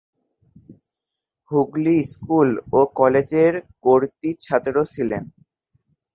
Hooghly school ও কলেজের কৃতী ছাত্র ছিলেন।